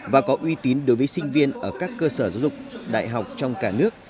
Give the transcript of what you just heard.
và có uy tín đối với sinh viên ở các cơ sở giáo dục đại học trong cả nước